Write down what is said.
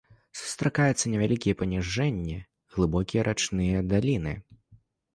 Сустракаюцца невялікія паніжэнні, глыбокія рачныя даліны.